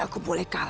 aku akan menang